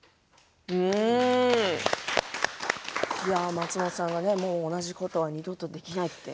松本さんが同じことは二度とできないと。